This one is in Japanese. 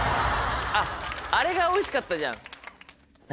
あっあれがおいしかったじゃん。